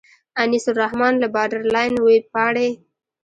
انیس الرحمن له باډرلاین وېبپاڼې.